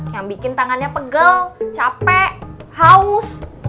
yang bikin tangannya pegel capek haus